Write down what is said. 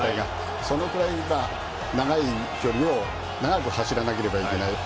そのくらい、長い距離を長く走らなければいけない。